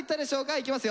いきますよ。